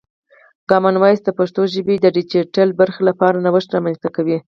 کامن وایس د پښتو ژبې د ډیجیټل برخې لپاره نوښت رامنځته کوي.